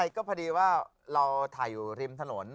ก็พอดีว่าเราถ่ายอยู่ริมถนน